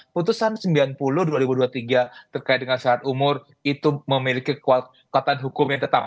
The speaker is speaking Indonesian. putusan sembilan puluh dua ribu dua puluh tiga terkait dengan syarat umur itu memiliki kekuatan hukum yang tetap